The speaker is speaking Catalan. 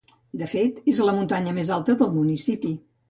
De fet, és la muntanya més alta del municipi.